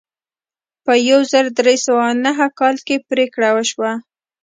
په یو زر درې سوه نهه نوي کال کې پریکړه وشوه.